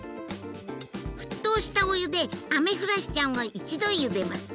沸騰したお湯でアメフラシちゃんを一度ゆでます。